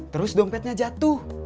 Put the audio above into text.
terus dompetnya jatuh